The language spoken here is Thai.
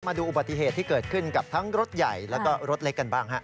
มาดูอุบัติเหตุที่เกิดขึ้นกับทั้งรถใหญ่แล้วก็รถเล็กกันบ้างฮะ